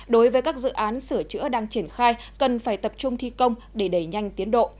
đối với các dự án sửa chữa đang triển khai cần phải tập trung thi công để đẩy nhanh tiến độ